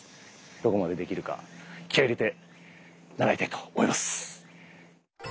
どこまでできるか気合い入れて習いたいと思います。